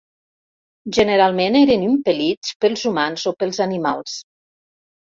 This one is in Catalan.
Generalment eren impel·lits pels humans o pels animals.